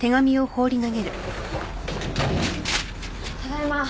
ただいま。